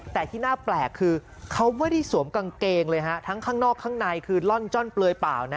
แต่ที่น่าแปลกคือเขาไม่ได้สวมกางเกงเลยฮะทั้งข้างนอกข้างในคือล่อนจ้อนเปลือยเปล่านะ